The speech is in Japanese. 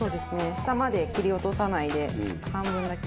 下まで切り落とさないで半分だけ。